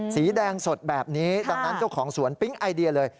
สีแดงสดแบบนี้ดังนั้นเจ้าของสวนปิ๊งไอเดียเลย